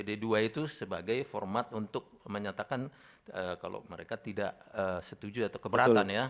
d dua itu sebagai format untuk menyatakan kalau mereka tidak setuju atau keberatan ya